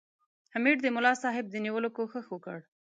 امیر د ملاصاحب د نیولو کوښښ وکړ.